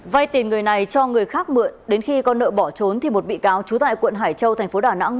vây tìm người này cho người khác mượn đến khi con nợ bỏ trốn thì một bị cáo chú tại quận hải châu tp đà nẵng